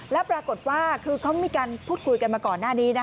แล้วปรากฏว่าคือเขามีการพูดคุยกันมาก่อนหน้านี้